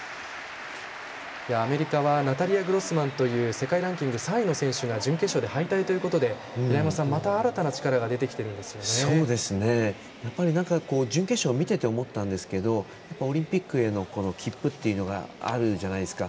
アメリカはナタリヤ・グロスマンという世界ランキング３位の選手が準決勝で敗退ということで平山さんまた新たな力が準決勝を見てて思ったんですけどオリンピックへの切符というのがあるじゃないですか。